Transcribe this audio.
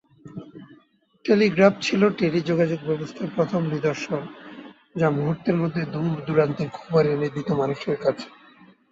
Telegraph ছিল টেলিযোগাযোগ ব্যবস্থার প্রথম নিদর্শন যা মুহুর্তের মধ্যে দূর-দূরান্তের খবর এনে দিত মানুষের কাছে।